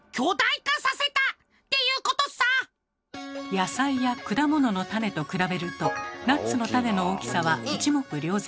野菜や果物の種と比べるとナッツの種の大きさは一目瞭然。